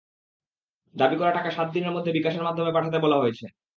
দাবি করা টাকা সাত দিনের মধ্যে বিকাশের মাধ্যমে পাঠাতে বলা হয়েছে।